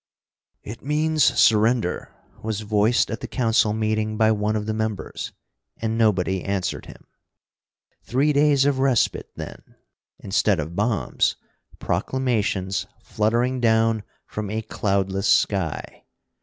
"It means surrender," was voiced at the Council meeting by one of the members. And nobody answered him. Three days of respite, then, instead of bombs, proclamations fluttering down from a cloudless sky.